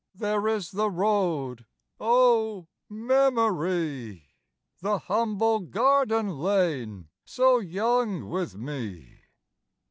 There is the road, O memory! The humble garden lane So young with me.